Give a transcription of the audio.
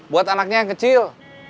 buat anaknya yang kecil